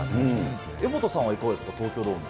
柄本さんはいかがですか、東京ドーム。